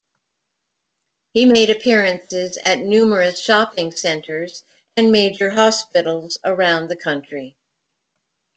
He made appearances at numerous shopping centres and major hospitals around the country.